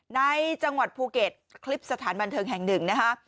ในจังหวัดภูเก็ตคลิปสถานบันเทิงแห่งหนึ่งนะคะ